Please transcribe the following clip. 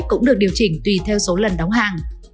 cũng được điều chỉnh tùy theo số lần đóng hàng